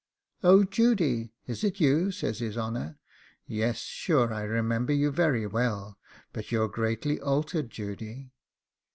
'Oh, Judy, is it you?' says his honour. 'Yes, sure, I remember you very well; but you're greatly altered, Judy.